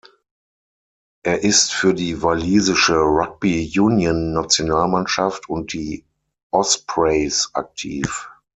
Er ist für die Walisische Rugby-Union-Nationalmannschaft und die Ospreys aktiv.